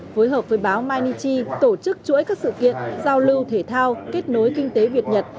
phối hợp với báo mainichi tổ chức chuỗi các sự kiện giao lưu thể thao kết nối kinh tế việt nhật